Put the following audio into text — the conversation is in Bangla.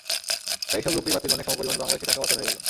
তাই এসব রুপি বাতিল মানে সমপরিমাণ বাংলাদেশি টাকাও অচল হয়ে গেল।